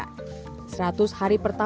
seratus hari pertama kisahnya